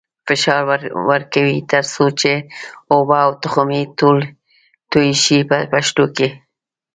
فشار ورکوي تر څو چې اوبه او تخم یې توی شي په پښتو کې.